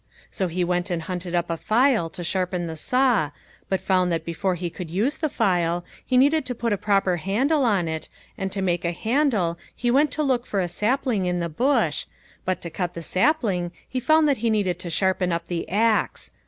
So he went and hunted up a file to sharpen the saw, but found that before he could use the file he needed to put a proper handle on it, and to make a handle he went to look for a sapling in the bush, but to cut the sapling he found that he needed to sharpen up the axe.